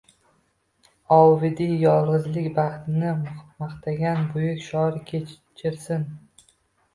Ovidiy “yolg’izlik baxti”ni maqtagan. Buyuk shoir kechirsin